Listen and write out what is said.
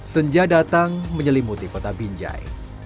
senja datang menyelimuti kota binjai